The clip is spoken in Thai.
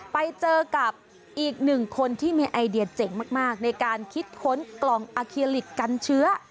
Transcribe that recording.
ไปเจอกับอีกหนึ่งคนที่มีไอเดียเจ๋งมากในการคิดค้นกล่องอาเคลิกกันเชื้อ